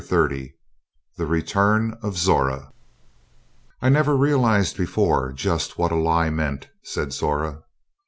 Thirty THE RETURN OF ZORA "I never realized before just what a lie meant," said Zora.